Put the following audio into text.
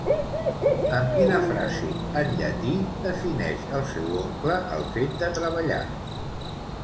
Amb quina frase en llatí defineix el seu oncle el fet de treballar?